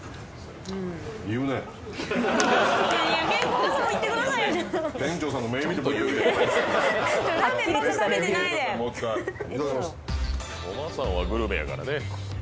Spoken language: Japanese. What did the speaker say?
コバさんはグルメやからね。